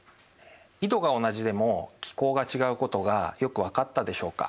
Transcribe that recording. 緯度が同じでも気候が違うことがよく分かったでしょうか？